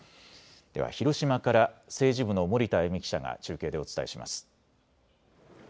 では広島から政治部の森田あゆ美記者が中継でお伝えします。